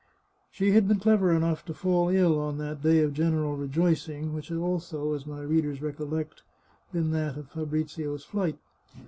She had been clever enough to fall ill on that day of general rejoicing, which had also, as my readers recol lect, been that of Fabrizio's flight.